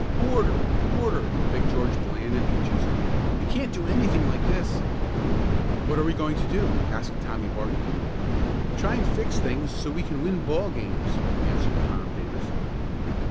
"Order! Order!" begged George Bland and Peaches. "We can't do anything like this." "What are we going to do?" asked Tommy Barton. "Try and fix things so we can win ball games," answered Tom Davis.